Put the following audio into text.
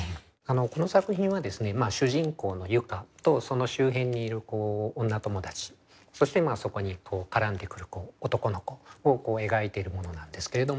この作品はですね主人公の結佳とその周辺にいる女友達そしてそこに絡んでくる男の子を描いているものなんですけれど。